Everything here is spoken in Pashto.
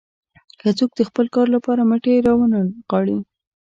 که څوک د خپل کار لپاره مټې راونه نغاړي.